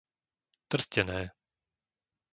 Trstené